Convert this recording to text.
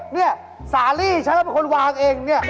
เนี่ยสาลีฉันก็เป็นคนวางเองเนี่ย